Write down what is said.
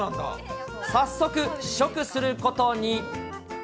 早速、試食することに。